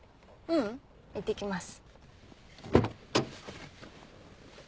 ううんいってきます。